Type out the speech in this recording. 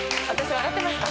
笑ってました。